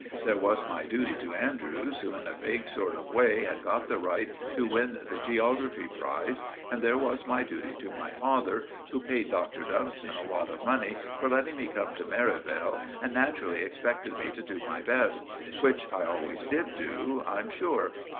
There was my duty to Andrews, who, in a vague sort of way, had got the right to win the geography prize, and there was my duty to my father, who paid Dr. Dunstan a lot of money for letting me come to Merivale and naturally expected me to do my best; which I always did do, I'm sure.